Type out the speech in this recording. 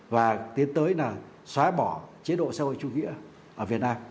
và tiến tới là xóa bỏ chế độ xã hội chủ nghĩa ở việt nam